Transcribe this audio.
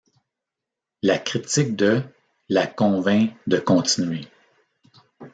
La critique de la convainc de continuer.